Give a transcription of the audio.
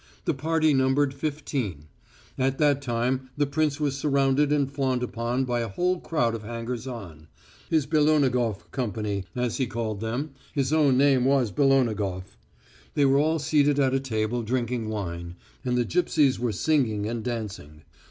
The party numbered fifteen. At that time the prince was surrounded and fawned upon by a whole crowd of hangers on his Belonogof company, as he called them his own name was Belonogof. They were all seated at a table drinking wine, and the gipsies were singing and dancing.